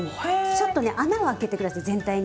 ちょっとね穴をあけて下さい全体に。